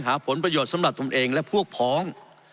หาผลประโยชน์สำหรับตนเองและพวกพ้อง